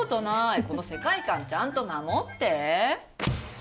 この世界観、ちゃんと守って。